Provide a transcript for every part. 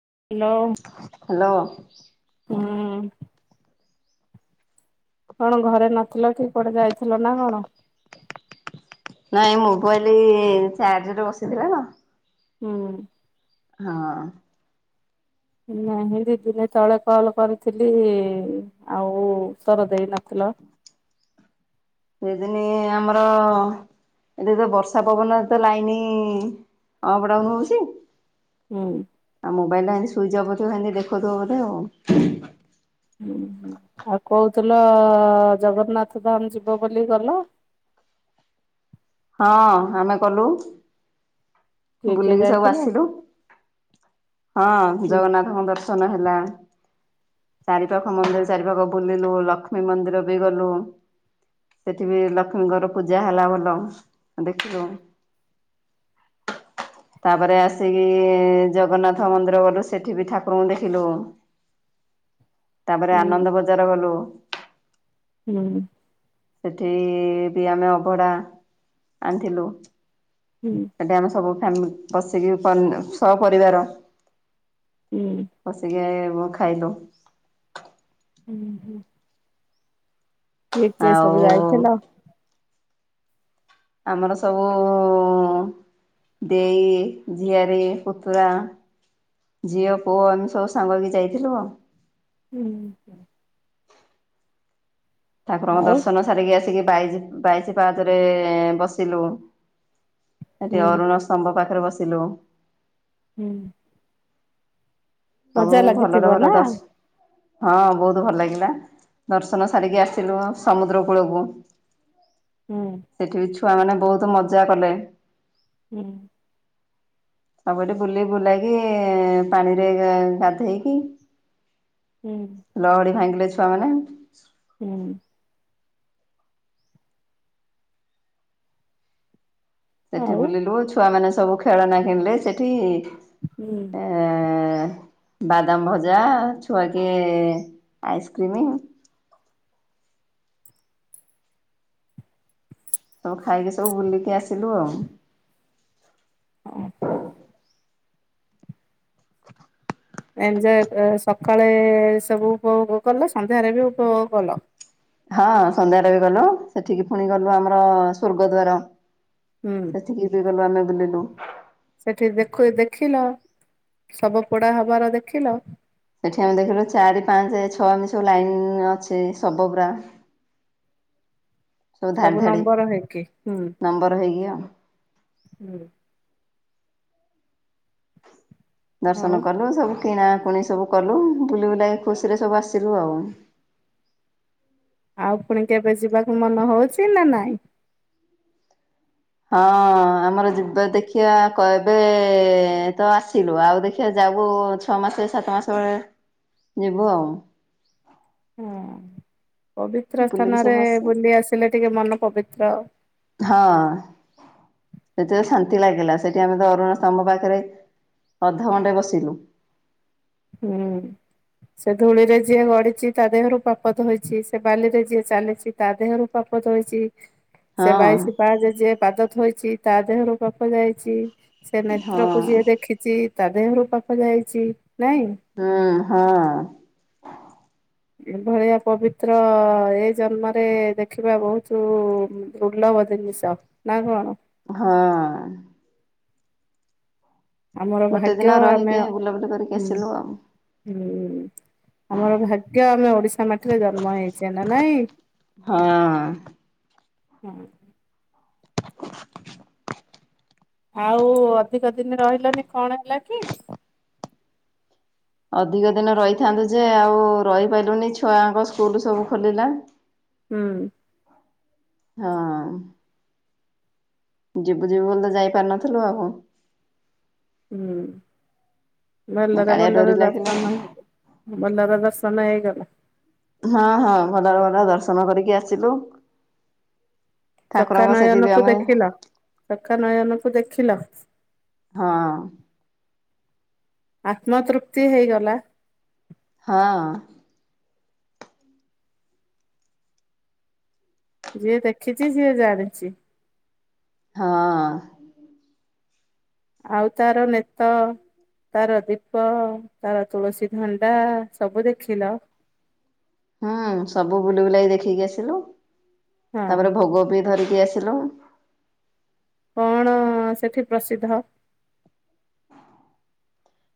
[unintelligible] Hello. ହୁଁ କଣ ଘରେ ନଥିଲ କି କୁଆଡ଼େ ଯାଇଥିଲ ନା କଣ? ନାଇଁ ମୋବାଇଲି ଚାର୍ଜରରେ ବସିଥିଲା ତ। ହୁଁ। ହଁ। ନାଁ ଦିଦିନ ତଳେ କଲ କରିଥିଲି ଆଉ ଉତ୍ତର ଦେଇନଥିଲେ। ହ୍ୟାଲୋ। ସେଦିନି ଆମର ଏଠି ତ ବର୍ଷା ପବନରେ ତ ଲାଇନ ଅପ୍ ଡାଉନ ହଉଛି ହୁଁ ଆଉ ମୋବାଇଲ ଟା ଏତି ସୁଇଚ ଅଫ ଥିବ ଏମତି ଦେଖୁଥିବ ବୋଧେ ଆଉ ଆଉ କହୁଥିଲ ଜଗନ୍ନାଥ ଧାମ ଯିବ ବୋଲି ଗଲ? [inaudible] ହଁ ଆମେ ଗଲୁ। କିଏ କିଏ ବୁଲିକି ସବୁ ଯାଇଥିଲ? ଆସିଲୁ ହଁ ହୁଁ ଜଗନ୍ନାଥଙ୍କ ଦର୍ଶ ନ ହେଲା। ଚାରି ପାଖ ମନ୍ଦିର ଚାରି ପାଖ ବୁଲିଲୁ ଲକ୍ଷ୍ମୀ ମନ୍ଦିର ବି ଗଲୁ। ସେଠି ବି ଲକ୍ଷ୍ମୀଙ୍କର ପୂଜା ହେଲା ଭଲ ଦେଖିଲୁ। [inaudible] ତାପରେ ଆସିକି ଜଗନ୍ନାଥ ମନ୍ଦିର ଗଲୁ ସେଠି ବି ଠାକୁରଙ୍କୁ ଦେଖିଲୁ। [inaudible] ତାପରେ ହୁଁ ଆନନ୍ଦ ବଜାର ଗଲୁ। ହୁଁ। ସେଠି ବି ଆମେ ଅବଢା ଆଣିଥିଲୁ। ହୁଁ ସେଠି ଆମେ ସବୁ ଫ୍ୟାମି ବସିକି ସହପରିବାର ହୁଁ ବସିକି ଖାଇଲୁ। ଉଁ ହୁଁ। କିଏ-କିଏ ଆଉ ସବୁ ଯାଇଥିଲ? ଆମର ସବୁ ଦେଇ, ଝିଆରୀ, ପୁତୁରା ଝିଅ, ପୁଅ ଏମିତି ସବୁ ସାଙ୍ଗ ହେଇକି ଯାଇଥିଲୁ ଆଉ। ହୁଁ। ଠାକୁରଙ୍କ ଆଉ ଦର୍ଶନ ସାରିକି ଆସିକି ବାଇଶ ବାଇଶି ପାହଚରେ ବସିଲୁ। ସେଠି ହୁଁ ଅରୁଣ ସ୍ତମ୍ଭ ପାଖରେ ବସିଲୁ଼। ହୁଁ ସବୁ ମଜା ଭଲରେ ଲାଗିଥିବ ଭଲ ନା? ଦର୍ଶ ହଁ ବହୁତ ଭଲ ଲାଗିଲା। ଲା ଦର୍ଶନ ସାରିକି ଆସିଲୁ ସମୁଦ୍ର କୂଳକୁ। ହୁଁ ସେଠି ବି ଛୁଆମାନେ ବହୁତ ମଜା କଲେ। ହୁଁ। ସବୁଠି ବୁଲିି ବୁଲାଇକି ପାଣିରେ ଅ ଗାଧେଇକି ହୁଁ ଲହଡି ଭାଙ୍ଗିଲେ ଛୁଆମାନେ। ହୁଁ ସେଠି ଆଉ ବୁଲିଲୁ ଛୁଆ ମାନେ ସବୁ ଖେଳନା କିଣିଲେ ସେଠି ଏ ହୁଁ ବାଦାମ ଭଜା ଛୁଆ କିଏ ଆଇସ୍କ୍ରିମ ତଉ ଖାଇକି ସବୁ ବୁଲିକି ଆସିଲୁ ଆଉ। ଏଞ୍ଜୟ୍ ସକାଳେ ସବୁ ଉପଭୋଗ କଲ ସନ୍ଧ୍ୟାରେ ବି ଉପଭୋଗ କଲ। ହଁ ସନ୍ଧ୍ୟାରେ ବି ଗଲୁ ସେଠିକି ପୁଣି ଗଲୁ ଆମର ସ୍ୱର୍ଗଦ୍ୱାର ହୁଁ ସେଠିକି ବି ଗଲୁ ଆମେ ବୁଲିଲୁ ସେଠି ଦେଖୁ ଦେଖିଲ ସବ ପୋଡା ହବାର ଦେଖିଲ? ସେଠି ଆମେ ଦେଖିଲୁ ଚାରି ପାଞ୍ଚ ଛଅ ଏମିତି ସବୁ ଲାଇନ୍ ଅଛି ଶବ ଗୁରା। ସବୁ ନମ୍ବର ହେଇକି ହୁଁ -ହୁଁ। ନମ୍ବର ହେଇକି ଆଉ। ଆଉ ଦର୍ଶନ କଲୁ ସବୁ କିଣାକୁଣି ସବୁ କଲୁ ବୁଲି ବୁଲାକି ଖୁସିରେ ସବୁ ଆସିଲୁ ଆଉ। ଆଉ ପୁଣି କେବେ ଯିବାକୁ ମନ ହଉଛି ନା ନାଇଁ? ହଁ ଆମର ଯିବା ଦେଖିଆ କ ଏବେ ତ ଆସିଲୁ ଆଉ ଦେଖିଆ ଯା [unintelligible] ଛଅ ମାସେ ସାତ ମାସେ [unintelligible] ଯିବୁ ଆଉ। ହୁଁ। ପବିତ୍ର ବୁଲିକି ସ୍ଥାନରେ ସବୁ ଆସିବୁ। ବୁଲି ଆସିଲେ ଟିକେ ମନ ପବିତ୍ର। ହଁ ସେଠି ତ ଶାନ୍ତି ଲାଗିଲା, ସେଠି ଆମେ ତ ଅରୁଣସ୍ତମ୍ଭ ପାଖରେ ଅଧଘଣ୍ଟେ ବସିଲୁ। ହୁଁ। ସେ ଧୂଳିରେ ଯିଏ ଗଡିଛି ତା ଦେହରୁ ପାପ ଧୋଇଛି। ସେ ବାଲିରେ ଯିଏ ଚାଲିଛି ତା ଦେହରୁ ପାପ ପାପ ଧୋଇଛି। ସେ ବାଇଶି ହଁ ପାହଚରେ ଯିଏ ପାଦ ଥୋଇଛି ତା ଦେହରୁ ପାପ ଯାଇଛି। ସେ ନେତ୍ରକୁ ହଁ। ଯିଏ ଦେଖିଛି ତା ଦେହରୁ ପାପ ଯାଇଛି। ନାଇଁ। ହୁଁ - ହଁ। ଏଭଳିଆ ପବିତ୍ର ଏ ଜନ୍ମରେ ଦେଖିବା ବହୁତ ଦୁର୍ଲ ଭ ଜିନିଷ ନା କଣ? ହଁ। ଆମର ଗୋଟେ ଭାଗ୍ୟ ଦିନ ଆମେ ରହିକି ବୁଲାବୁଲି କରିକି ହୁଁ ଆସିଲୁ ଆଉ। - ହୁଁ। ଆମର ଭାଗ୍ୟ ଆମେ ଓଡିଶା ମାଟିରେ ଜନ୍ମ ହେଇଛେ ନା ନାଇଁ। ହଁ। ହୁଁ। ଆଉ ଅଧିକଦିନ ରହିଲନି କଣ ହେଲା କି? ଅଧିକ ଦିନ ରହିଥାନ୍ତୁ ଯେ, ଆଉ ରହିପାରିଲୁନି ଛୁଆଙ୍କ ସ୍କୁଲ ସବୁ ଖୋଲିଲା। ହୁଁ। ହଁ। ଯିବୁ ଯିବୁ ବୋଲିତ ଯାଇ ପାରୁନଥିଲୁ ଆଉ ହୁଁ ଭଲରେ କାଳିଆ ଡୋରି ଭଲରେ ଲାଗିଲା ଆଉ ଦର୍ଶନ ହେଇଛି, ଭଲରେ ଦର୍ଶନ ସମୟ ହେଇଗଲା। ହଁ ହଁ ଭଲରେ ଭଲରେ ଦର୍ଶନ କରିକି ଆସିଲୁ। ଚକା ଠାକୁରଙ୍କ ସେଠି ବି ନୟନକୁ ଆମେ ଦେଖିଲ ଚକା ନୟନକୁ ଦେଖିଲ। ହଁ। ଆତ୍ମା ତୃପ୍ତି ହେଇଗଲା। ହଁ। ଯିଏ ଦେଖିଛି ସିଏ ଜାଣିଛି। ହ ଅଁ ଆଉ ତାର ନେତ ତାର ଦୀପ ତାର ତୁଳସୀଧଣ୍ଡା ସବୁ ଦେଖିଲ? ହୁଁ ସବୁ ବୁଲି ବୁଲାକି ଦେଖିକି ଆସିଲୁ ହଁ। ତାପରେ ଭୋଗ ବି ଧରିକି ପି ଆସିଲୁ। କଣ ସେଠି ପ୍ରସିଦ୍ଧ।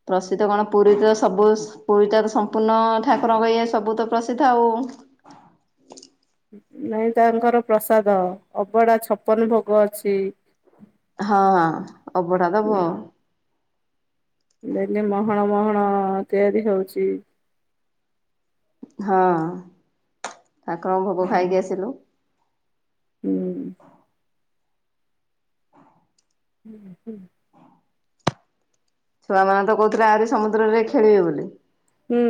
ପ୍ରସିଦ୍ଧ କଣ ପୁରୀ ତ ସବୁ ପୁରୀଟା ସମ୍ପୂର୍ଣ୍ଣ ଠାକୁରଙ୍କ ଇଏ ସବୁ ତ ପ୍ରସିଦ୍ଧ ଆଉ ଉଁ ହୁଁ [inaudible] ନାଇଁ ତାଙ୍କର ପ୍ରସାଦ ଅବଢା ଛପନ ଭୋଗ ଅଛି। ହଁ ଅବଢା ଦବ। ଡେଲି ମହଣ ମହଣ ତିଆରି ହଉଚି। ହଁ ତାଙ୍କର ଭୋଗ ଖାଇକି ଆସିଲୁ। ହୁଁ [inaudible] ହୁଁହୁଁ ଛୁଆମାନେ ତ କହୁଥିଲେ ଆହୁରି ସମୁଦ୍ରରେ ଖେଳିବେ ବୋଲି। ହୁଁ,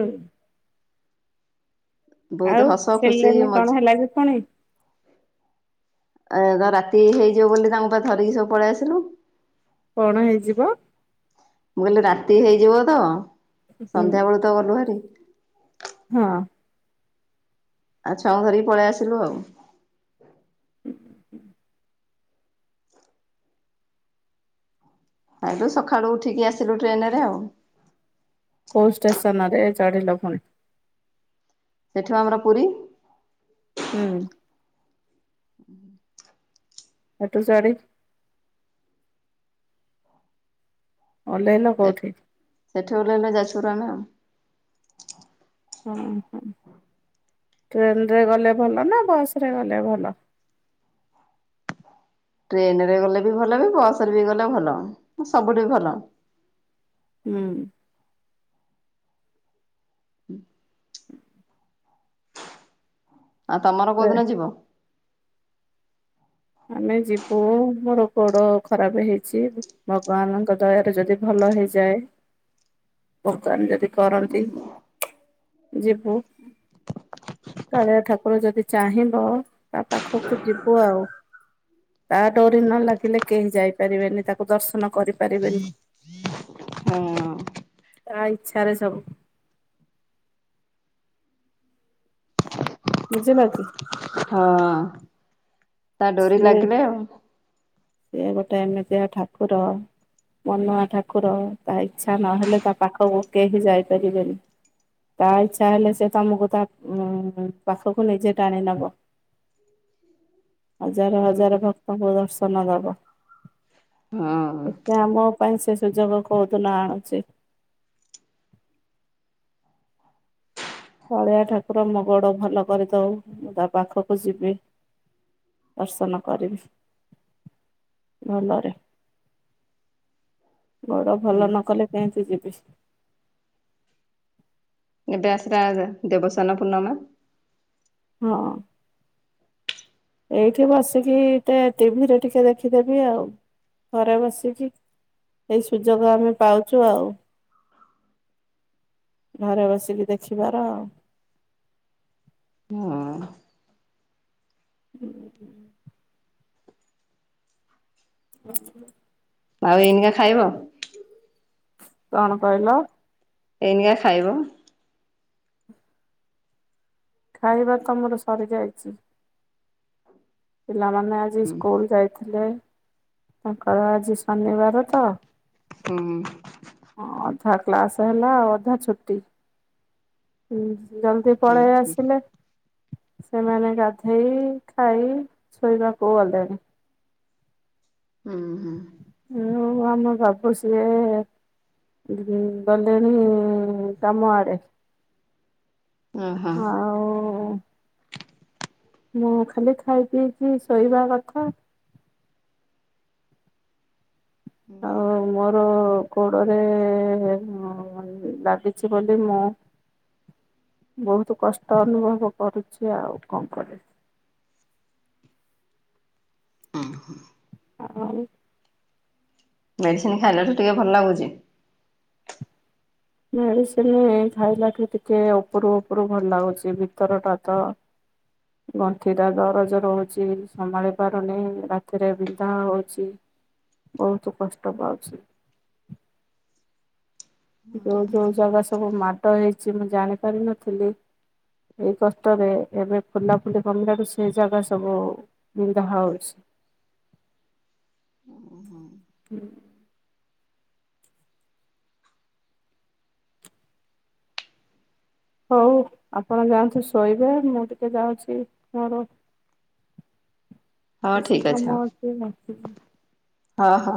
ବହୁତ ଆଉ ହସ ଖୁସି ଖେଳିଲେନି କଣ ହେଲା କି ପୁଣି ମଜା ଏ ତ ରାତି ହେଇଯିବ ବୋଲି ତାଙ୍କୁପା ଧରିକି ସବୁ ପଳେଇ ଆସିଲୁ। କଣ ହେଇଯିବ। ମୁଁ କହିଲି ରାତି ହେଇଯିବ ତ ହୁଁ ସନ୍ଧ୍ୟା ବେଳୁ ତ ଗଲୁ ଭାରି ହଁ, ଆଉ ଛୁଆଙ୍କୁ ଧରିକି ପଳେଇ ଆସିଲୁ ଆଉ। ହୁ ହୁଁ ଆଠୁ ସକାଳୁ ଉଠିକି ଆସିଲୁ ଟ୍ରେନରେ ଆଉ କଉ ଷ୍ଟେସନରେ ଚଢ଼ିଲ ଫୁଣି? ସେଠୁ ଆମର ପୁରୀ। ହୁଁ, ହେଠୁ ସରି ଓହ୍ଲେଇଲ କୋଉଠି? ସେଠୁ ଓହ୍ଲେଇଲେ ଯାଜପୁର ରୋଡ଼ରେ ଆଉ। ହଁ ହୁଁ, ଟ୍ରେନ ରେ ଗଲେ ଭଲ ନା ବସ ରେ ଗଲେ ଭଲ। ଟ୍ରେନ ରେ ଗଲେ ବି ଭଲ ବି ବସ ରେ ବି ଗଲେ ଭଲ ସବୁଠି ଭଲ। ହୁଁ, ହୁଁ, ଆଉ ତମର ଯେ କୋଉଦିନ ଯିବ? ଆମେ ଯିବୁ ମୋର ଗୋଡ ଖରାପ ହେଇଛି ଭଗବାନଙ୍କ ଦୟାରେ ଯଦି ଭଲ ଭଲ ହେଇଯାଏ ଭଗବାନ ଯଦି କରନ୍ତି ଯିବୁ। କାଳିଆ ଠାକୁର ଯଦି ଚାହିଁବ ତା ପାଖକୁ ଯିବୁ ଆଉ। ତା ଡୋରି ନ ଲାଗିଲେ କେହି ଯାଇପାରିବେନି ତାକୁ ଦର୍ଶନ କରିପାରିବେନି। ହଁ। ତା ଇଛାରେ ସବୁ। ବୁଝିଲ କି? ହଁ ଅଁ ତା ଡୋରି ସିଏ ଲାଗିଲେ ଆଉ ସିଏ ଗୋଟେ ଏମିତିଆ ଠାକୁର। ମନୁଆ ଠାକୁର ତା ଇଚ୍ଛା ନହେଲେ ତା ପାଖକୁ କେହିି ଯାଇପାରିବେନି। ତା ଇଚ୍ଛା ହେଲେ ସେ ତମକୁ ତା ଉ ପାଖକୁ ନିଜେ ଟାଣି ନବ। ହଜାର ହୁଁ। ହଜାର ଭକ୍ତଙ୍କୁ ଦର୍ଶନ ଦବ। ଏତେ ଆମ ହଁ। ପାଇଁ ସେ ସୁଯୋଗ କୋଉ ତୁନ ଆଉଚି। କାଳିଆ ଠାକୁର ମୋ ଗୋଡ ଭଲ କରିଦଉ ମୁଁ ତା ପାଖକୁ ଯିବି। ଦର୍ଶନ କରିବି। ଭଲରେ। ଗୋଡ ଭଲ ହୁଁ ନ କଲେ କେଇଁତି ଯିବି। ଏବେ ଆସିରାରେ ଯେ ଦେବସାନ ପୂର୍ଣ୍ଣମା। ହଁ। ଏଇଠି ବସିକି ଟେ- ଟିଭିରେ ଟିକେ ଦେଖିଦେବି ଆଉ। ଘରେ ବସିକି ଏଇ ସୁଯୋଗ ଆମେ ପାଉଚୁ ଆଉ। ଘରେ ବସିକି ଦେଖିବାର। ହଁ [unintelligible] [unintelligible] ଆଉ ଏଇନିକା ଖାଇବ? କଣ କହିଲ? ଏଇନିକା ଖାଇବ? ଖାଇବା ତୋମର ସରିଯାଇଚି? ପିଲାମାନେ ଆଜି ହୁଁ ସ୍କୁଲ୍ ଯାଇଥିଲେ। ତାଙ୍କର ଆଜି ଶନିବାର ତ ହଁ, ହଁ। ଥା କ୍ଲାସ୍ ହେଲା ଆଉ ଅଧା ଛୁଟି। ଉଁ, ଜଲଦି ପଳେଇ ହୁଁ। ଆସିଲେ। ସେମାନେ ଗାଧେଇ, ଖାଇ ଶୋଇବାକୁ ଗଲେଣି। ଅଁ, ହଁ। ଆଉ ଆମ ବାବୁ ସିଏ [unintelligible] ଗଲେଣିି କାମ ଆଡେ। ଓ ହୋ। ଆଉ ମୁଁ ଖାଲି ଖାଇ ପିଇକି ଶୋଇବା କଥା। ଆଉ ମୋର ଗୋଡରେ ଅଁ, ଲାଗିଛି ବୋଲି ମୁଁ ବହୁତ କଷ୍ଟ ଅନୁଭବ କରୁଛି। ଆଉ କଣ କରେ। ଅଁ, ହଁ। ଆଉ ମେଡିସିନ୍ ଖାଇଲାଠୁ ଟିକେ ଭଲ ଲାଗୁଚି। ମେଡିସିନି ଖାଇଲାଠୁ ଟିକେ ଉପରୁ ଉପରୁ ଭଲ ଲାଗୁଚି। ଭିତର ଟା ତ ଗଣ୍ଠି ଟା ଦରଜ ରହୁଚି। ସମ୍ଭାଳି ପାରୁନି, ରାତିରେ ବିନ୍ଧା ହଉଛି। ବହୁତ କଷ୍ଟ ପାଉଛି। ଯୋଉ ଯୋଉ ଜାଗା ସବୁ ମାଡ ହେଇଛି ମୁଁ ଜାଣିପାରିନଥିଲି ଏଇ କଷ୍ଟରେ ଏବେ ଫୁଲା ଫୁଲି କମିଲାଠୁ ସେ ଜାଗା ସବୁ ବିନ୍ଧା ହଉଛି। ହୁଁ। ହଉ ଆପଣ ଯାଆନ୍ତୁ ଶୋଇବେ। ମୁଁ ଟିକେ ଯାଉଛି ମୋର ହଁ ବେଶି କାମଟି ନଥିଲା। ହୋ, ହୋ।